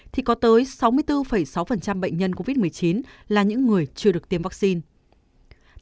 thì có tới sáu mươi bốn sáu bệnh nhân covid một mươi chín là những người chưa được tiêm vaccine